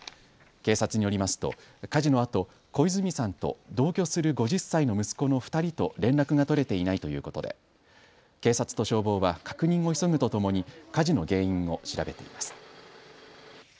警察によりますと火事のあと小泉さんと同居する５０歳の息子の２人と連絡が取れていないということで警察と消防は確認を急ぐとともに火事の原因を調べています。